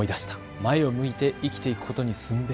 前を向いて生きていくことにすんべえ。